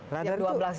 radar dua belas itu ya